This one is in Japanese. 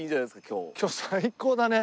今日最高だね。